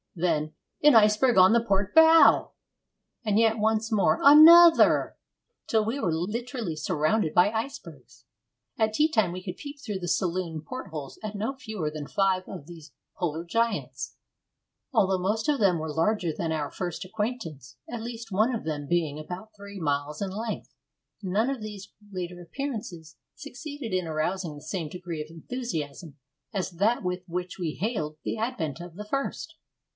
Then, 'An iceberg on the port bow!' And yet once more 'Another!' till we were literally surrounded by icebergs. At tea time we could peep through the saloon portholes at no fewer than five of these polar giants. Although most of them were larger than our first acquaintance at least one of them being about three miles in length none of these later appearances succeeded in arousing the same degree of enthusiasm as that with which we hailed the advent of the first.